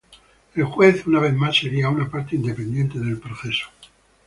El juez, una vez más, sería una parte independiente del proceso.